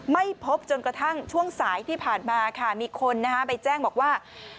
ไม่พบจนกระทั่งช่วงสายที่ผ่านมาค่ะมีคนไปแจ้งบอกว่า